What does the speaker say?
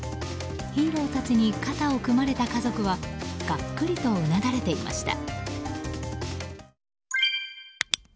ヒーローたちに肩を組まれた家族はがっくりとうなだれていました。